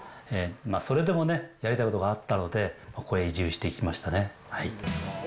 それでもね、やりたいことがあったので、ここへ移住してきましたね。